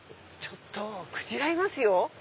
ちょっとクジラいますよ。